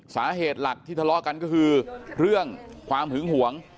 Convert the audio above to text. สาเหตุหลักที่ทะเลาะกันก็คือเรื่องความหึงหวง